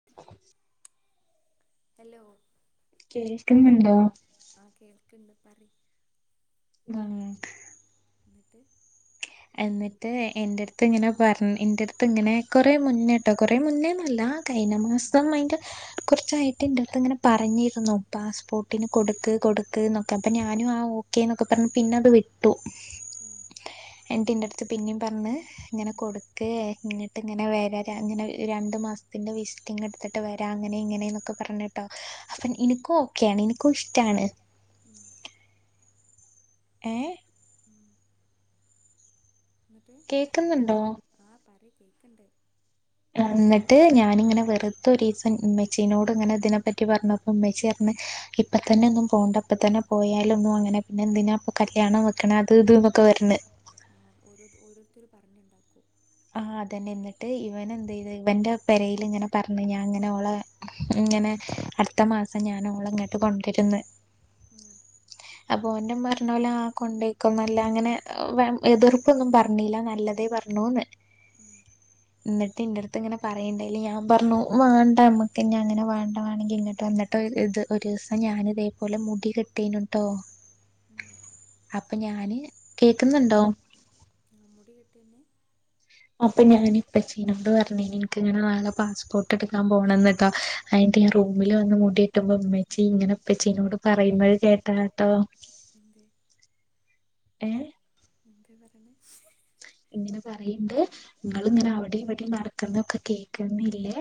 [unintelligible] Hello കേൾക്കുന്നുണ്ടോ? ആഹ് കേൾക്ക്ണ്ട് പറയിം. [unintelligible] ന്നിട്ട് എന്നിട്ട് എന്റടുത്ത് ഇങ്ങനെ പറ എൻറ അടുത്ത് ഇങ്ങനെ കൊറേ മുന്നേട്ടോ കൊറേ മുന്നേന്നല്ല കഴിഞ്ഞ ആ മാസം അയിന്റെ കൊറ ച്ചായിട്ട് എന്റെട്ത് ഇങ്ങനെ പറഞ്ഞിരുന്നു പാസ്പോർട്ടിന് കൊടുക്ക് കൊടുക്ക്ന്നൊക്കെ അപ്പം ഞാനും ആഹ് ഓ ക്കേ എന്നൊക്കെ പറഞ്ഞു പിന്ന അത് വിട്ടു ആഹ് എന്നിട്ടിന്റെ അടുത്ത് പിന്നിം പറഞ്ഞ് ഇങ്ങനെ കൊടുക്കേ ന്നിട്ട് ഇങ്ങനെ വര ഇങ്ങനെ രണ്ട് മാസം പിന്ന വിസ ങ്ങ് എടുത്തിട്ട് വരാ അങ്ങനെ ഇങ്ങനെ എന്നൊക്കെ പറഞ്ഞിട്ടോ അപ്പൊ ഉം എനിക്കും ഓക്കെയാണ് എനിക്കും ഇഷ്ട്ടാണ് ഉം ഏഹ് ഉം ന്നിട്ട് കേക്കുന്നുണ്ടോ? ആഹ് പറയിം കേക്കണ്ട്, എന്നിട്ട് ഞാനിങ്ങനെ വെറുതെ ഒരീസം ഉമ്മെച്ചീനോട് ഇങ്ങനെ ഇതിനെപ്പറ്റി പറഞ്ഞ- ഉമ്മച്ചിപറഞ്ഞ് ഇപ്പ- പ്പ തന്നെ ഒന്നും പോണ്ട ഇപ്പ തന്നെ പോയാലൊന്നും അങ്ങനെ പിന്നെ എന്തിനാ അപ്പൊ കല്യാണം വെക്കണ അത് ഇത് ന്നൊക്കെ വരുണ് ആഹ് ഓരോ ഓരോരുത്തര് പറഞ്ഞുണ്ടാക്കും ആഹ് അതന്നെ എന്നിട്ട് ഇവൻ ഉം എന്ത് ചെയ്ത് ഇവന്റെ പെരേല് ഇങ്ങനെ പറഞ്ഞ് ഞാൻ ഇങ്ങനെ ഓളെ ഇങ്ങനെ അടുത്ത മാസം ഞാന് ഓള ഇങ്ങട്ട് കൊണ്ടരും ന്ന് ഉം അപ്പൊ ഓൻന്റെമ്മർഞൊലോ ആ കൊണ്ടയ്ക്കൊന്നല്ല അങ്ങനെ വെ എതിർപ്പൊന്നും പറഞ്ഞില നല്ലതേ പർ ണോന്ന് ഉം ന്നട്ട് ഇന്റട്ത്ത് ഇങ്ങനെ പറയണ്ടേല് ഞാൻ പറഞ്ഞു വേണ്ട നമ്മക്ക്ഞ്ഞങ്ങനെ വേണ്ട ന്നെങ്കി ഇങ്ങട്ട് വന്നിട്ട് ഇത് ഒരീസം ഞാൻ ഇതേപോലെ മുടി കെട്ടീനുട്ടോ ഉം അപ്പൊ ഞാന് കേക്കുന്നുണ്ടോ? ആ മുടി കെട്ടിന്നെ അപ്പൊ ഞാനിപ്പച്ചിനോട് പറഞിനി എനിക്കിങ്ങനെ നാളെ പാസ്പോർട്ട് എടുക്കാൻ പോണംന്ന് ട്ടോ അയി്ന്റെ റൂമില് ഉം. വന്ന് മുടിയിട്ടുമ്പോ ഉമ്മച്ചി ഇങ്ങനെ ഉപ്പച്ചീനോട് പറയ്ന്നെ കേട്ടാ ട്ടോ യെന്ത്? ഏഹ് എന്തേ പറണെ ഇങ്ങനെ പറയണ്ട് നിങ്ങൾ ഇങ്ങനെ അവിടിം ഇവിടിം നടക്കുന്നൊക്കെ കേക്കുന്നില്ലേ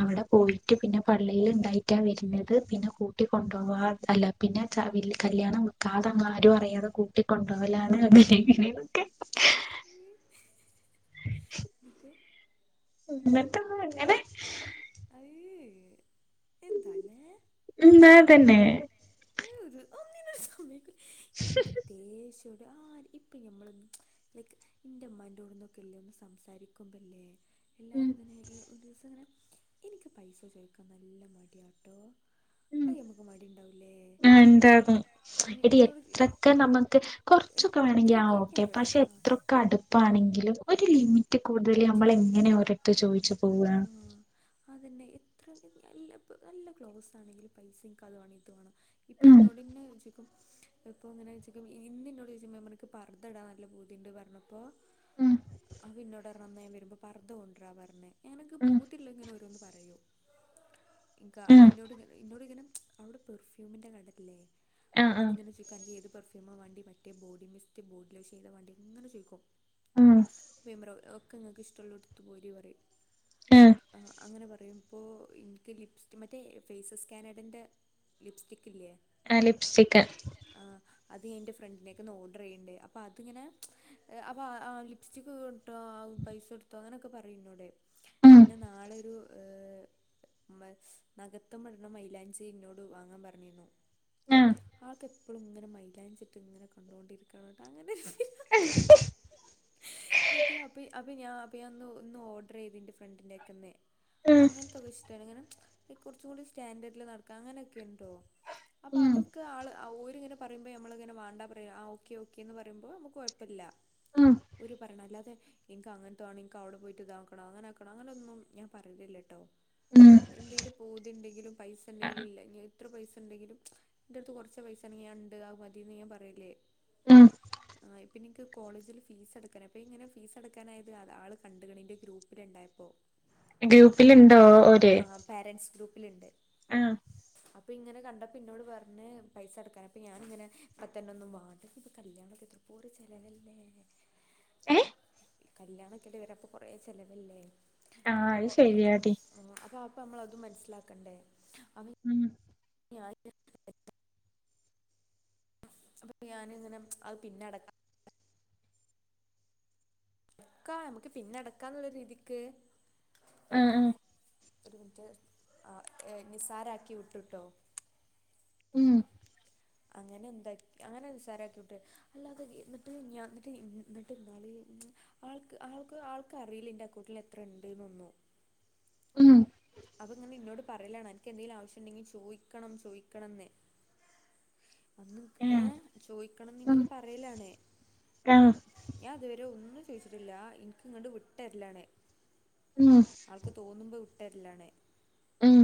അവിടെ പോയിട്ട് പിന്നെ പള്ളിൽ ഉണ്ടായിട്ടാ വര്നത് പിന്നെ കൂട്ടി കൊണ്ടവാ അല്ല പിന്നെ ച്ചാ വെല് കല്യാണം കാത് ഒന്നും ആരും അറിയാതെ കൂട്ടിക്കൊണ്ടോഅലാണ് [unintelligible] ഇങ്ങനെയൊക്കെ. ച്. [inaudible] [unintelligible] ഒന്നും ഇങ്ങനെ അയ് എന്താല്ലേ എന്താ തന്നെ- ങ്ങള്ത് ഒന്നിനും സമ്മയ്ക് ഇൻക്ക് ദേഷം ആര് ഇപ്പോ ഞമ്മള് ലൈക്ക് ഇന്റെ ഉമ്മാന്റോട്ന്നൊക്കെ ഇല്ലേ ഒന്ന് സംസാരിക്കുമ്പല്ലേ. ഉം എല്ലാരും ഇങ്ങനെ എഹ് ഒരൂസം ഇങ്ങനെ- എനിക്ക് പൈസ ചോദിക്കാൻ നല്ല മടിയാട്ടോ അത് നമുക്ക് മടി ഉണ്ടാവില്ലേ. ണ്ടാകും എടി എന്നോട് എത്രൊക്കെ നമുക്ക് കൊർച്ചൊക്കെ വേണങ്കി എത്രയൊക്കെ ആവാം. ഇയ്യ് ക്കെ അറിയോടാ പക്ഷേ ആ എത്രൊക്കെ അടുപ്പാണെങ്കിലും ഒരു ലും ലിമിറ്റ് കൂടുതൽ നമ്മൾ മിറ്റിക്കില്ലേ എങ്ങനെ ഓരട്ത്ത് ചോദിച്ചു പോവ ആഹ് അതന്നെ എത്ര നല്ല നല്ല ക്ലോസ് ആണെങ്കിലും പൈസക്ക് അത് വേണിത് വേണം. ഇപ്പോ ഉം ഇന്നോടന്നെ ചോയ്ക്കും ഇപ്പോ എങ്ങനായ്ച്ച് ഇന്ന് ന്നോട് ചോയ്ച്ചപ്പോ ഞാർഞ് എനിക്ക് പർദ്ദടാൻ നല്ല ഭൂതിണ്ട് പർഞ്ഞപ്പോ ഉം.. അപഇന്നോടർഞ് ന്നയാൻ വരുമ്പോ പർദ്ദ കൊണ്ട്രാൻ പറഞ് എനിക്ക് ഉം പൂതിയുള്ള ഓരോന്ന് ഇങ്ങനെ പറയും ഇക്കാ ഉം എന്നോടിങ്ങനെ എന്നോടിങ്ങനെ അവിടെ പെർഫ്യൂമിന്റെ കടല്ലേ ആഹ് ആഹ് ന്നോട്ങ്ങനെ ചോ ക്കൻക് ഏത് പെർഫ്യൂമാ മാണ്ടി മറ്റേ ബോഡി ലിസ്റ്റ് ബോഡി ലോഷൻ ഏതാ വേണ്ടേ ഇങ്ങനെ ചോയ്ക്കും. ഉം... [unintelligible] ഒക്കെ ങ്ങക്ക് ഇഷ്ടള്ള എടുത് പോരി പറയും ഉം ആഹ് അങ്ങനെ പറയുമ്പോ ഇൻക്ക് ലിപ്സ്റ്റിക് മറ്റേ ഫേസ്സ്കാനഡൻ്റെ ലിപ്സ്റ്റിക് ഇല്ലേ ആഹ് ലിപ്സ്റ്റിക്ക്. ആഹ് അത് എൻ്റെ ഫ്രണ്ടിനേക്കെ ഒന്ന് ഓർഡർ ചെയ്യണ്ടേ അപ്പോ അതിങ്ങനെ എഹ് [unintelligible] പ്സ്റ്റിക്ക് തീർന്നുട്ടോ പൈസ എടുത്തോ അങ്ങനൊക്കെ പറയും ന്നോട്. ഉം പിന്നെ നാളെയൊരു ഏഹ് മ്മ് നഖത്ത്മ്മെട്ണെ മൈലാഞ്ചി ഇന്നോട് വാങ്ങാൻ പറഞ്ഞിന്നു. ഉം അഹൊക്കെ ഇപ്പളുങ്ങനെ മൈലാഞ്ചിട്ട് ഇങ്ങനെ കണ്ടോണ്ടിരിക്കാണ് ട്ടോ അങ്ങനെ- [inaudible] ഇന്ന്ട്ട് അപ്പ അപ്പ ഞാ അപ്പയിന്ന് ഇന്ന് ഓഡ്രയ്ത് ഇൻ്റെ ഫ്രണ്ടിന്റേക്കെന്ന് ഉം അങ്ങൻത്തൊക്കെ ഇഷ്ടാണ് ഇങ്ങനെ ഈ കൊറച്ചും കൂടി സ്റ്റാൻഡേർഡില് നടക്കാം അങ്ങനെയൊക്കെയിണ്ടോ? അപ്പ ഉം അതൊക്കെ ആള് ഓരിങ്ങനെ പറയുമ്പോ നമ്മളിങ്ങനെ മാണ്ട പറയാ ആ ഓക്കെ ഓക്കെ എന്ന് പറയുമ്പോൾ നമുക്ക് കൊഴപ്പല്ല. ഉം ഓര് പറിയണം അല്ലാതെ- ഇൻക്ക് അങ്ങൻത്തെ മാണം ഇൻക്ക് അവ്ടെ പോയിട്ട് ഇതാക്കണം അങ്ങനാക്കണം അങ്ങനൊന്നും ഞാൻ പറിയലില്ല്യട്ടോ. ഉം എന്തേലും പൂതിണ്ടെങ്കിലും പൈസണ്ടെങ്കിലും ഇല്ല ഇഞ്ഞെത്ര പൈസണ്ടെങ്കിലും- ഇന്റെട്ത്ത് കൊറച്ച് പൈസണ്ടെങ്കി ഞാ ഇണ്ട് അത് മതീന്ന് ഞാൻ പറയല് ഉം.. ആഹ് പിന്നെൻക്ക് കോളേജില് ഫീ സ് അടയ്ക്കണം അപ്പയിങ്ങനെ ഫീസ് അടക്കാനായത് ആള് ആള് കണ്ട്ക്ക്ണ് ഇന്റെ ഗ്രൂപ്പില്ണ്ടായപ്പോ ഗ്രൂപ്പിലുണ്ടോ ഓര് ആഹ് പോരന്റ്സ് ഗ്രൂപ്പില്ണ്ട്. ആ അപ്പയിങ്ങനെ കണ്ടപ്പോ ഇന്നോട് പറഞ്ഞ് പൈസടക്കാന് അപ്പ ഞാനിങ്ങനെ ഇപ്പത്തന്നെ ഒന്നും വാണ്ട ഇനിയിപ്പോ കല്യാണൊക്കെ- കഴിഞ്ഞാ ഓരോ ചെലവല്ലേ ഏ കല്യാണൊക്കല്ലേ വരാ അപ്പൊ കൊറേ ചെലവല്ലേ ആ അപ്പൊ അത് ശരിയാടി അപ്പോ അപ്പോ നമ്മളതും മനസ്സിലാക്കണ്ടേ അപ്പൊ ഉം [inaudible] അപ്പോ ഞാന്ങ്ങനെ അത് പിന്നെ അടയ്ക്കാം. ഇക്കാ നമ്മക്ക് പിന്നെ അടക്കാന്നുള്ള രീതിക്ക് ഉം ഉം ഒരു മിനിറ്റ് ആഹ് ഏ നിസാരക്കി വിട്ട്ട്ടോ ഉം അങ്ങനെ എന്താക്കി അങ്ങനെ നിസാരക്കി വിട്ട് അല്ലാതെ ഇന്നിട്ട് ഞാ ഇന്നിട്ട് എന്നിട്ട് ഇന്നാള് ആൾക്ക് ആൾക്ക് ആൾക്കറിയില്ല എന്റെ അക്കൗണ്ടില് എത്ര ഇണ്ട്ന്നൊന്നും ഉം അപ്പങ്ങനെ ഇന്നോട് പറയലാണ് അനക്കെന്തേലും ആവശ്യണ്ടെങ്കി ചോയ്ക്കണം ചോയ്ക്കണംന്ന് അന്ന് ആ ഏഹേ ചോയ്ക്കണംന്ന് ഉം ഇന്നോട് പറയലാണ് ആ ഞാ ഇതുവരെ ഒന്നും ചോയ്ച്ചിട്ടില്ല ഇൻക്ക്ങ്ങട്ട് വിട്ടര്ലാണ് ഉം ആൾക്ക് തോന്നുമ്പോ വിട്ടര്ല്ലാണ് ഉം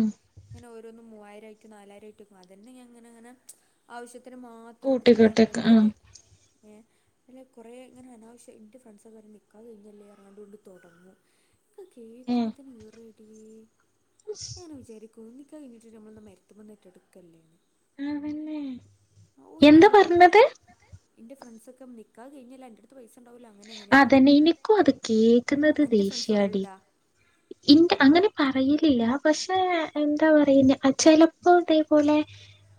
ഇങ്ങനെ ഓരോന്നും മൂവായിരായി നാലായിരായിട്ടും അതന്നെ ഞാ ഇങ്ങനെ ഇങ്ങനെ ആവശ്യത്തിന് മാത്രം എടുത്തുകാണ്ട് കൂട്ടിക്കെട്ടൊക്കെ ആ നിക്കല് ഏഹേ അല്ലെ കൊറേ ഇങ്ങനെ അനാവശ്യാ ആയി ഇൻ്റെ ഫ്രണ്ട്സൊക്കെ അന്റെ നിക്കാഹ് കഴിഞ്ഞല്ലേ പറഞാണ്ടാണ്ട് തൊടങ്ങു ഇൻക്കഹ് ഏ കേക്കുമ്പോ ത്തന്നെ ഈറേ ടീ ഞാ ഇങ്ങനെ വിചാരിക്കും നിക്കാഹ് കഴിഞ്ഞിട്ടെറ്റെ നമ്മളെന്താ മരത്ത്മെന്നെറ്റ ഇട്ക്കല്ലേന്ന് ആണല്ലേ ആഹ് എന്താ ഓര്ക്കാണ്ട് തൊട്ങ്ങാ പറഞ്ഞത് എന്താ പറഞ്ഞത് ഇന്റെ ഫ്രണ്ട്സൊക്കെ പറിയാ നിക്കാഹ് കഴിഞ്ഞതല്ലേ അന്റെടു ത്ത് പൈസണ്ടാവൊല്ലോ അങ്ങനെയിങ്ങനെ പറിയും അതന്നെ എനിക്കും അത് കേക്കുന്നത് അന്റെ ഫ്രണ്ട്സ് ദേഷ്യാടി പറയല്ണ്ടോ? ഇന്റെ അങ്ങനെ പറയിലില്ല പക്ഷെ എന്താ പറയുന്നേ ആ ചെലപ്പോ ഇതേപോലെ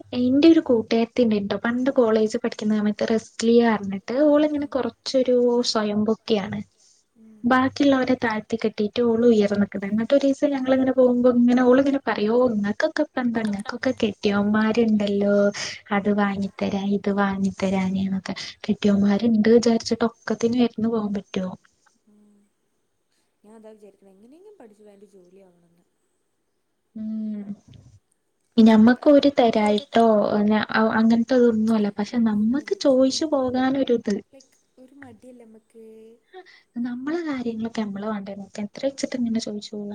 ക്കെ ഇന്റെ ഒരു കൂട്ടുക്കാര്ത്തിണ്ട് ട്ടോ പണ്ട് കോളേജ് പഠിക്കുന്ന സമയത്ത് റസി ലിയ പർഞ്ഞിട്ട് ഓളിങ്ങനെ ആഹ് കൊർച്ചൊരു സ്വയംപൊക്കിയാണ് ഉം ബാക്കിള്ളോരെ താഴ്ത്തി കെട്ടി ഓള് ഉയർന്നുനിക്കുന്നെ എന്നിട്ടൊരീസം ഞങ്ങളിങ്ങനെ പോകുമ്പൊ ഇങ്ങനെ ഓള് പിന്നെ പറയോ നിങ്ങക്കൊക്കെ. കണ്ടാ ഇങ്ങക്കൊക്കെ ഉം കെട്ടിയോന്മാര്. ഇണ്ടല്ലോ അത് വാങ്ങിത്തരാം ഇതുവാങ്ങിതരാനെണൊക്കെ ഉം കെട്ടിയോമാരൊണ്ട് വിചാരിച്ചിട്ട് ഒക്കത്തിനും എരന്ന് പോകാൻ പറ്റോ ഉം ഞാൻ അതാ വിചാരിക്കണെ എങ്ങനെയെങ്കിലും പഠിച്ചു വാങ്കി ജോലിയാവണെന്ന് ഉം ഞമ്മക്ക് ഓര് തരായിട്ടോ അന അ അങ്ങനതത്തൊന്നുമല്ല പക്ഷെ നമ്മ ക്ക് ഒന്നുമില്ല പക്ഷെ ചോയിച്ചു നമ്മക്കൊരു പോകാനൊരു ഇത് ലൈക്ക് ഒരു മടിയല്ലേ നമ്മക്ക് നമ്മളെ കാര്യങ്ങളൊക്കെ നമ്മളു വേണ്ടേ നോക്കാൻ ഇത്രച്ചിട്ടെങ്ങനെ ചോദിച്ചുപോവ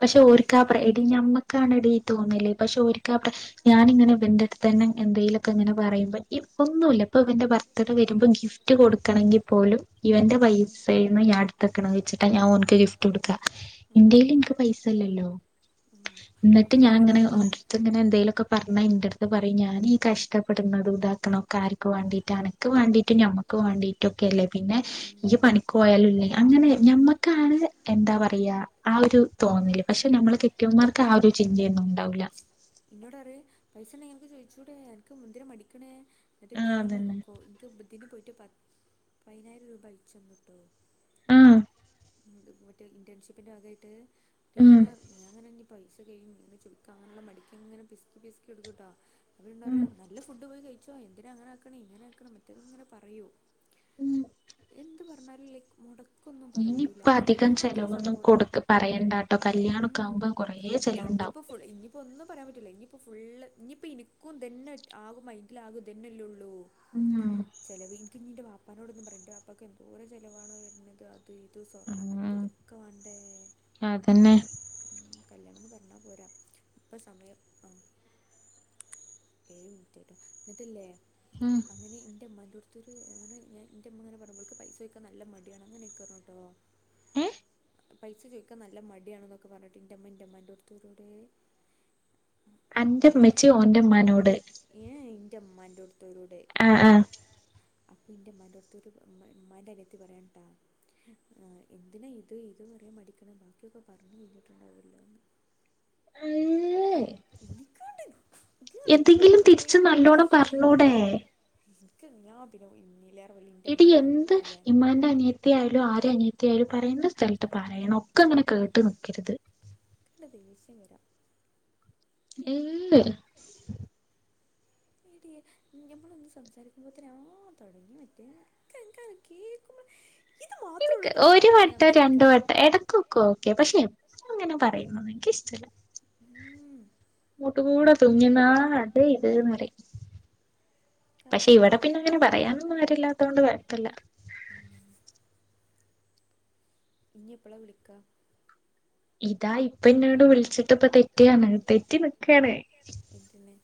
പക്ഷെ എന്നിട്ട് ഓരിക്കാ പ്ര എടീ ഞമ്മക്കാണെടീ തോന്നല് പക്ഷെ ഒരീക്കാ പ്രശ് ഞാനിങ്ങനെ ഇവൻറ്റടുത്തുതന്നെ എന്തേലൊക്കെ ഇങ്ങനെ പറയുമ്പോ ഇപ്പൊന്നൂല ഇപ്പൊ ഇവന്റെ ബർത്ത്ഡേ വെരുമ്പോ ഗിഫ് റ്റ് കൊടുക്കണെങ്കി പോലും ഇവന്റെ പൈസേന്ന് ഞാൻ എടു ക്കണ വെച്ചിട്ടാ ഞാൻ ഓൻക്ക് ഗിഫ്റ്റുകൊടുക്കാ ഉം എന്റേല് എനിക്ക് പൈസ ഇല്ലല്ലോ ഉം എന്നിട്ട് ഞാൻ ഞാനിങ്ങനെ‌ ഇന്ന് ഓൻ ഇങ്ങനെ എന്തേലൊക്കെ പറഞ്ഞാ എൻറ്റടുത്തു പറയും ഞാനീ കഷ്ടപ്പെടുന്നതും ഇതാക്കണോക്കെ ആരിക്കുവേണ്ടിയിട്ടാണ്. ക്ക് വേണ്ടീട്ടും ഞമ്മക്ക് വേണ്ടീട്ടൊക്കെയല്ലേ പിന്നെ ഉം ഇയ്യ് പണിക്കൊഴാലല്ലേ അങ്ങനെ ഞമ്മക്കാണ് എന്താപറയാ ആ ഒരു തോന്നല് പക്ഷെ നമ്മളെ കെട്ടിയവൻമാർക്ക് ആ ഒരു ചിന്തയൊന്നും ഉണ്ടാവൂല്ല ഇന്നോടറയും പൈസയുണ്ടെങ്കി അനക്ക് ചോദിച്ചൂടെ എനക്ക് മുന്തിര മടിക്കണേ എന്നിട്ട് ആഹ് ഞാന് അതന്നെ കൊ ക്ക് ബുദ്ധീനപോയിട്ട് പ പയിനായിരം രൂപ അയച്ചുതന്നുട്ടോ ആഹ് മറ്റേ ഇന്റേൺഷിപ്പിൻ്റെ വകയായിട്ട് ഉം പിന്നെ അങ്ങനെ ഇനിയി പൈസ കഴിയും ഇങ്ങനെ ചുളിക്കങ്ങനെയൊള്ള മടിക്കിങ്ങനെ പിസ്കി പിസ്കി എടുക്കൂട്ടോ ഉം അവരിന്നറയും നല്ല ഫുഡ് പോയികഴിച്ചോ എന്തിനാ അങ്ങനെയാക്കണെ ഇങ്ങനെയാക്കണെ മറ്റേതിങ്ങനെ പറയും. ഉം എന്തു പറഞ്ഞാലുലില്ലേ മൊടക്ക് ക്കൊന്നും പറയൂല്ല ഇനിയിപ്പ അങ്ങനെ അധികം എല്ലാത്തിനും ചെലവൊന്നും സപ്പോർട്ടാ കൊടുക്ക പറയണ്ടാട്ടോ കല്യാണൊക്കെ ഉം ആവുമ്പോ കൊറേ അല്ല ചെലവുണ്ടാവും ഇനിയിപ്പോ ഫു ഇനി ഇപ്പോ ഒന്നും പറയാൻപറ്റുല്ല ഇനിയിപ്പോഫുള്ള് ഇനിയിപ്പൊ എനിക്കും ഇതന്നെ ആകും മൈൻഡിലാകും ഇത് തന്നെല്ലെയൊള്ളൂ. ഉം ചെലവ് എനിക്കു നിന്റെ വാപ്പാനോടൊന്നും പറെ എൻറെ വാപ്പാക്ക് എന്തോരം ചിലവാണോ വരുന്നത് അത് അത് ഇത് സ്വർണം ഉം മറ്റെതൊക്കെ വേണ്ടേ. അതന്നെ ഉം കല്യാണംന്ന് പറഞ്ഞാ പോരാ. ഇപ്പൊ സമയം ആ ഏഴുമിനിറ്റിട്ടൊ എന്നിട്ടില്ലേ. ഉം അങ്ങനെ എന്റെ ഉമ്മാന്റോട് അതൊരു അങ്ങനെ ഞാൻ എന്റുമ്മാങ്ങനെ പറഞ്ഞു ഇവൾക്ക് പൈസ ചോയ്ക്കാൻ നല്ല മടിയാണ് അങ്ങനെയൊക്കെയറഞ്ഞൂട്ടോ. ഏ പൈസ ചോയിക്കാൻ നല്ല മടിയാണെന്നൊക്കെ പറഞ്ഞിട്ട് ൻ്റെമ്മ ൻറ്റമ്മാൻ്റെടുത്തൊരോടെ. അന്റെമ്മച്ചി ഓന്റെമ്മാനോട് ഏ ഏ എന്റെ അമ്മാന്റടുത്ത്. ത്തൊരൊടെ ആഹ് ആഹ് അപ്പൊ എന്റെ ഉമ്മാന്റെടുത്തൊരു ഉമ്മാ ഉമ്മാൻറ്റനിയത്തി പറയാനിട്ടാ. ആ എന്തിനാ ഇത് ഇതുപറയാൻ മടിക്കണെ ബാക്കിയൊക്കെ പറഞ്ഞു കഴിഞ്ഞിട്ടൊണ്ടാവുമല്ലോ എന്ന്. അയ്യേ. ഇരിക്കാണ്ട്. എന്തെങ്കിലും തിരിച്ചു നല്ലോണം പറഞ്ഞൂടെ. എനിക്ക് [unintelligible] ഇന്നിലെ. എടി എന്ത് ഇമ്മാന്റേ അനിയ ത്തിയായാലും ആരെ അനിയത്തിയായാലും പറയേണ്ട സ്ഥലത്ത് പറയണം ഒക്കെ അങ്ങനെ കേട്ടുനിക്കരുത്. ഇവിടെ ദേഷ്യം വരാ. ഇല്ലേയ്. എടീ ഞമ്മളൊന്ന് സംസാരിക്കുമ്പോത്തിന് ആഹ് തൊടങ്ങി മറ്റേ. [unintelligible] കേക്കുമ്പോ ഇൻക്ക് ഒരു വട്ടം രണ്ടു വട്ടം എടക്കൊ ക്കെ ഓക്കെ പക്ഷെ എപ്പളും അങ്ങനെ പറയുന്നത് ഇൻക്ക് ഇഷ്ടല്ല. ഉം. ഉം. മുട്ട് കൂടെ തുങ്ങി [unintelligible] അത് ഇത് ന്ന് പറയും. പക്ഷെ അതാണ് ഇവിടെ പിന്നെ വേറെ അങ്ങനെ പറയാനൊന്നും ആരുല്ലാത്തോണ്ട് കൊയപ്പല്ല. ഉം. ഇഞ് എപ്പളാ വിളിക്കാ. ഇതാ ഇപ്പ ഇന്നോട് വിളിച്ചിട്ട് ഇപ്പ തെറ്റിവന്ന് തെറ്റി നിക്കാണ് എന്തിന്.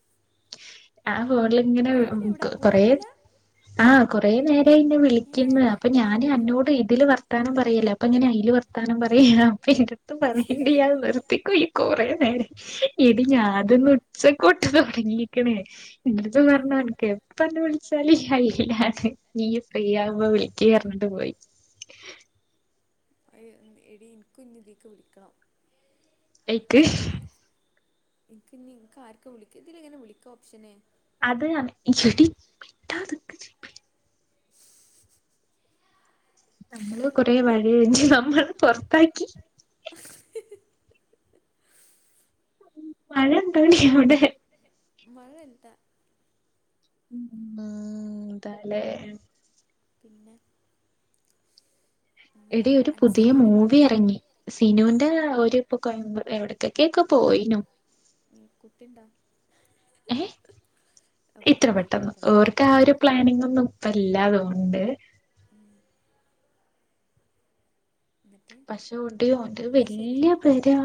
ആ ഫോണില് ഇങ്ങനെ ഓൻ എവിടെ കൊറേ അബുദാബിയിലാ ആഹ് കൊറേ നേരായി ഇന്നെ ഏ വിളിക്കുന്ന് അപ്പ എന്നാ ഞാന് ഓയം അന്നോട്. ഇതില് വർത്താനം പറയല്ലേ അപ്പങ്ങനെ അയില് വർത്താനം പറയ അപ്പൊ ഇന്റട്ത് പറയ് ഇണ്ട് ഇയ്യ് അത് നിർത്തിക്കോ ഇയ്യ് കൊറേ നേരായി എടീ ഞാന് ന്ന് ഉച്ചക്കൊട്ട് തൊ ഇന്റെടുത്‌ ഏ പറഞ്ഞു അനക്ക് എപ്പന്നെ വിളിച്ചാലും ഇയ്യ് അയിലാണ്. ഇയ്യ് ഫ്രീ ആകുമ്പോ വിളിക്ക്‌ പറഞ്ഞിട്ട് പോയി. എടീ ഇൻക്കും ഇഞ്ഞിതീക്ക് വിളിക്കണം. എയ്ക്ക്. ഇൻക്ക് ഇഞ് ഇൻക്ക് ആർക്ക വിളിക്ക ഇതിലെങ്ങനെ വിളിക്കാ ഓപ്ഷന്. അത് ഈ ചെട്ടി നമ്മള് കൊറേ വഴി കഴഞ്ഞ് നമ്മള് പൊറത്താക്കി. മഴണ്ടൊടീ അവിടെ. മഴ എന്ത. ഉം എന്താലേ. പിന്നെ. എടീ ഒരു അങ്ങനെയാണ് പുതിയെ സിനുവിൻ്റെ മൂവി പാടെന്താ എറങ്ങി. സിനൂന്റെ ഓരിപ്പൊ കോയമ്പ എവിടക്കെക്ക ഒക്കെ പോയിനു. ഉം കുട്ടി ഇണ്ടാ. ഏഹ് ഇത്ര അവൾക്ക് ഭയങ്കര പെട്ടെന്ന് പള്ളി ഓർ ക്കാ ആ ഒരു പ്ലാനിങ്ങൊന്നും ഇപ്പല്ല തൊന്ന്ണ്ട് എന്നിട്ട് പക്ഷെ [unintelligible] ഓന്റെത് എന്നാൽ ശരി വല്ല്യ പെര